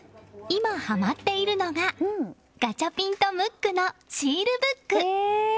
今ハマっているのがガチャピンとムックのシールブック。